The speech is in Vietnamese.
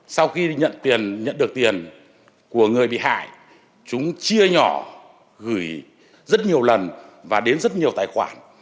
sau khi nhận tiền nhận được tiền của người bị hại chúng chia nhỏ gửi rất nhiều lần và đến rất nhiều tài khoản